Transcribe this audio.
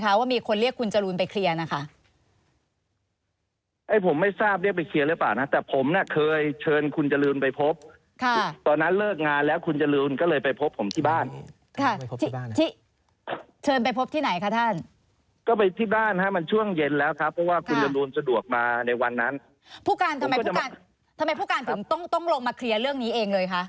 ทำไมผู้การต้องลงมาเคลียร์เรื่องนี้เองเลยคะ